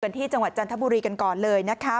ที่จังหวัดจันทบุรีกันก่อนเลยนะคะ